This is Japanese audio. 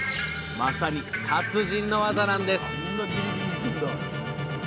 まさに達人の技なんです